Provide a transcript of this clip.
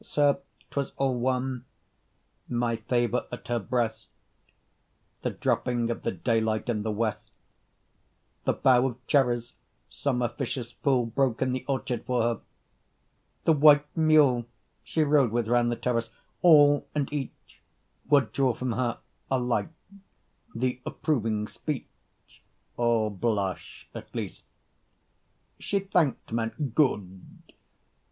Sir, 'twas all one! My favour at her breast, The dropping of the daylight in the West, The bough of cherries some officious fool Broke in the orchard for her, the white mule She rode with round the terrace all and each Would draw from her alike the approving speech, 30 Or blush, at least. She thanked men good!